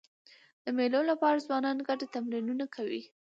د مېلو له پاره ځوانان ګډو تمرینونه کوي.